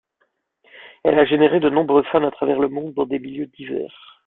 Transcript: Elle a généré de nombreux fans à travers le monde, dans des milieux divers.